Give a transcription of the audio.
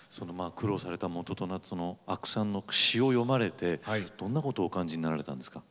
苦労されたもととなったその阿久さんの詞を読まれてどんなことをお感じになられたんですか？